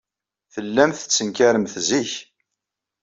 Tellamt tettenkaremt zik.